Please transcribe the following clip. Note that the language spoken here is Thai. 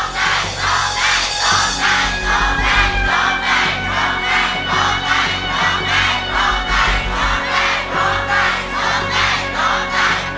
ร้องได้ร้องได้ร้องได้ร้องได้ร้องได้